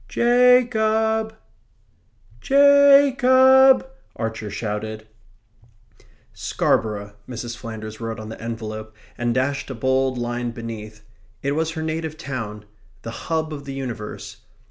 "Ja cob! Ja cob!" Archer shouted. "Scarborough," Mrs. Flanders wrote on the envelope, and dashed a bold line beneath; it was her native town; the hub of the universe.